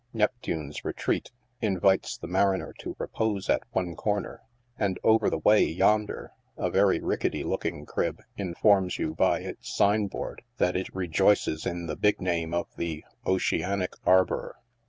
" iNeptune's Retreat," invites the mariner to repose at one corner, and. over the way, yonder, a very ricketty looking crib informs you by its sign board that it rejoices in the big name of the " Oceanic Arbor."